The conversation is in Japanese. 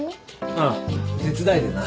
ああ手伝いでな